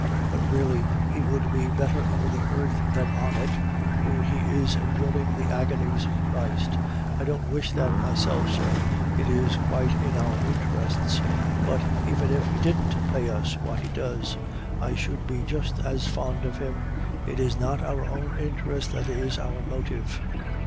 But really he would be better under the earth than on it, for he is enduring the agonies of Christ. I don't wish that myself, sir; it is quite in our interests; but even if he didn't pay us what he does, I should be just as fond of him; it is not our own interest that is our motive.